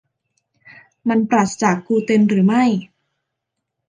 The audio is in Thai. มันปราศจากกลูเตนหรือไม่ ?